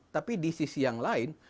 tapi di sisi yang lain